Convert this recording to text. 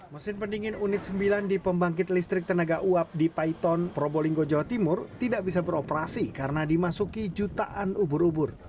mesin pendingin unit sembilan di pembangkit listrik tenaga uap di paiton probolinggo jawa timur tidak bisa beroperasi karena dimasuki jutaan ubur ubur